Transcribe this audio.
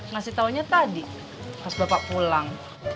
ngasih taunya tadi pas bapak pulang